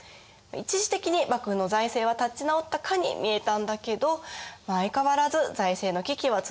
一時的に幕府の財政は立ち直ったかに見えたんだけど相変わらず財政の危機は続いてしまいます。